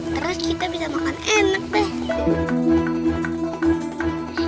terus kita bisa makan enak deh